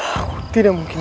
ambu tidak kuat